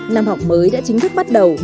năm học mới đã chính thức bắt đầu